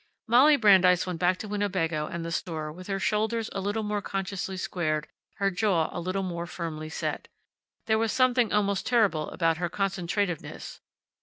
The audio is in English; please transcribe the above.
Molly Brandeis went back to Winnebago and the store with her shoulders a little more consciously squared, her jaw a little more firmly set. There was something almost terrible about her concentrativeness.